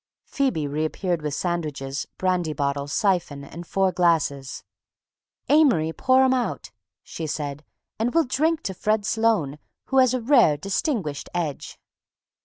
Phoebe reappeared with sandwiches, brandy bottle, siphon, and four glasses. "Amory, pour 'em out," she said, "and we'll drink to Fred Sloane, who has a rare, distinguished edge."